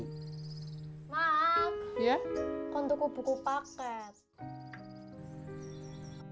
maaf ya untuk buku paket